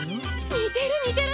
似てる似てる！